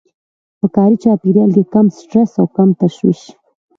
په کاري چاپېريال کې کم سټرس او کم تشويش.